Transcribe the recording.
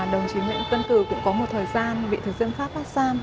đồng chí nguyễn văn cừ cũng có một thời gian bị thực dân pháp phát xam